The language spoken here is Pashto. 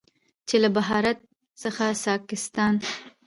چې له بهارت څخه ساکستان،